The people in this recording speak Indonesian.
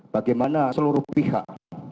bagaimana seluruh pihak